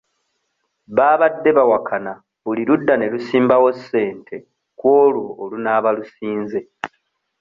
Baabadde bawakana buli ludda ne lusimbawo ssente ku olwo olunaaba lusinze.